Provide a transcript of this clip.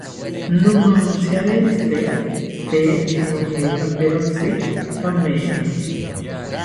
Nomantziarentzite tee nojekaperotzi kametha